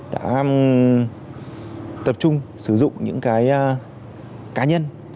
đã tập trung sử dụng những cá nhân